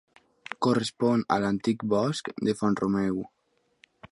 Correspon a l'antic bosc de Font-romeu.